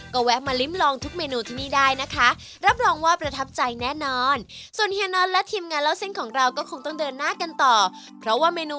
ขอบคุณครับยินดีครับ